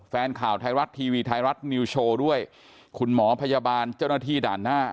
แฟนข่าวไทยรัฐทีวีไทยรัฐนิวโชว์ด้วยคุณหมอพยาบาลเจ้าหน้าที่ด่านหน้า